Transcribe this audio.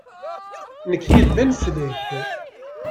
Nekk yid-m ad neslek.